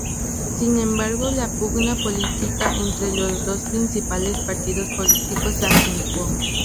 Sin embargo, la pugna política entre los dos principales partidos políticos se acentuó.